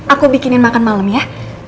aku bikinin makan malam ya